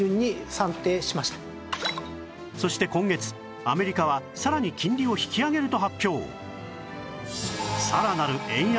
そして今月アメリカはさらに金利を引き上げると発表